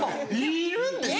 いるんですか？